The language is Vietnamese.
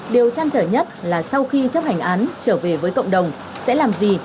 điều chăn trở nhất là sau khi chấp hành án trở về với cộng đồng sẽ làm gì